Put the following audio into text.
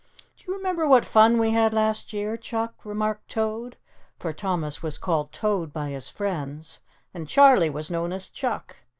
"Do you remember what fun we had last year, Chuck?" remarked Toad, for Thomas was called "Toad" by his friends, and Charley was known as "Chuck."